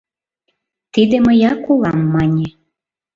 Тиде мыяк улам, мане.